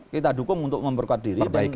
kita dukung untuk memperkuat diri